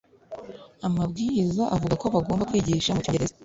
amabwiriza avuga ko bagomba kwigisha mu Cyongereza.